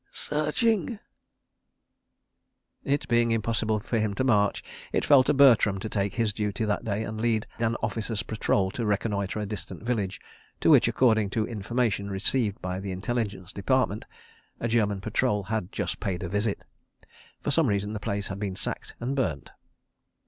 Searching! ..." It being impossible for him to march, it fell to Bertram to take his duty that day, and lead an officers' patrol to reconnoitre a distant village to which, according to information received by the Intelligence Department, a German patrol had just paid a visit. For some reason the place had been sacked and burnt.